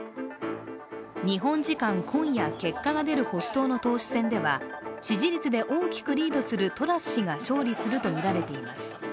日本時間今夜結果が出る保守党の党首選では支持率で大きくリードするトラス氏が勝利するとみられています。